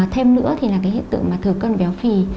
thêm nữa thì là cái hiện tượng mà thừa cân béo phì